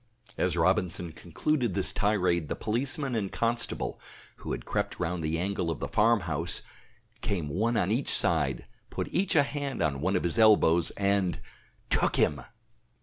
As Robinson concluded this tirade the policeman and constable, who had crept round the angle of the farm house, came one on each side, put each a hand on one of his elbows and took him!